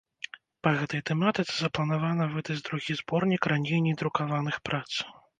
Па гэтай тэматыцы запланавана выдаць другі зборнік раней не друкаваных прац.